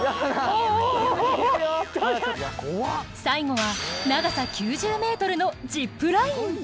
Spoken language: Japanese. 最後は長さ９０ｍのジップライン！